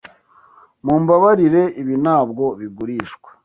Mumbabarire, ibi ntabwo bigurishwa.